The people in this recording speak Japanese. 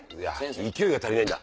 勢いが足りないんだ